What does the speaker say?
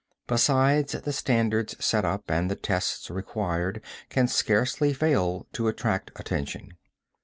Besides the standards set up and the tests required can scarcely fail to attract attention.